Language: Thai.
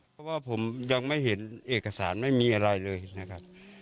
เพราะว่าผมยังไม่เห็นเอกสารไม่มีอะไรเลยนะครับ